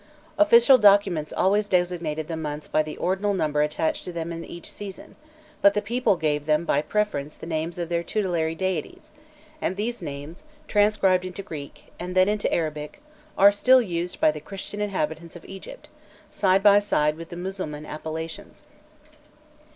Official documents always designated the months by the ordinal number attached to them in each season, but the people gave them by preference the names of their tutelary deities, and these names, transcribed into Greek, and then into Arabic, are still used by the Christian inhabitants of Egypt, side by side with the Mussulman appellations.